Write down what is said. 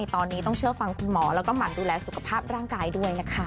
ตอนนี้ต้องเชื่อฟังคุณหมอแล้วก็หมั่นดูแลสุขภาพร่างกายด้วยนะคะ